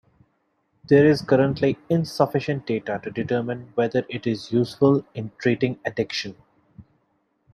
There is currently insufficient data to determine whether it is useful in treating addiction.